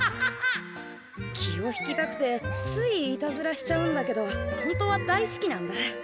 気を引きたくてついイタズラしちゃうんだけど本当は大好きなんだ。